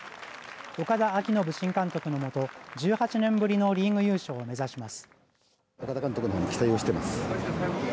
岡田彰布新監督のもと１８年ぶりのリーグ優勝を目指します。